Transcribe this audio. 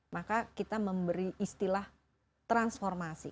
maka kita memberi istilah transformasi